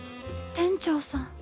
店長さん。